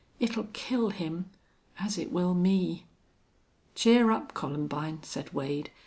"It'll kill him, as it will me!" "Cheer up, Columbine," said Wade.